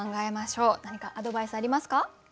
何かアドバイスありますか？